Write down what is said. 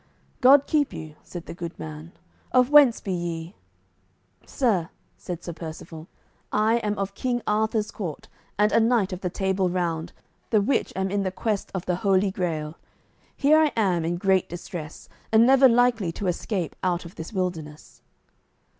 "God keep you," said the good man, "of whence be ye?" "Sir," said Sir Percivale, "I am of King Arthur's court, and a knight of the Table Round, the which am in the quest of the Holy Grail. Here I am in great duress, and never likely to escape out of this wilderness."